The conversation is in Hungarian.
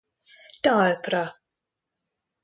Talpra!